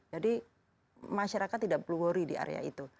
jadi masyarakat tidak perlu worry di area itu